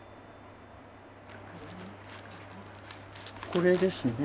これですね。